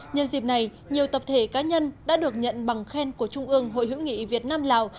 nhân dịp này nhiều tập thể cá nhân đã được nhận bằng khen của trung ương hội hữu nghị việt nam lào